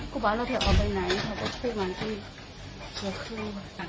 กูบอกว่าเราจะออกไปไหนแล้วเขาก็ช่วยมาที่หัวครู